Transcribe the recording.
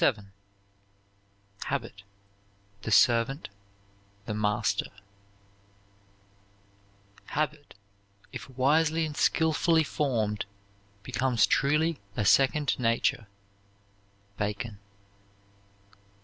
CHAPTER XLVII HABIT THE SERVANT, THE MASTER Habit, if wisely and skilfully formed, becomes truly a second nature. BACON.